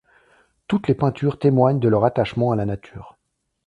Toutes les peintures témoignent de leur attachement à la nature.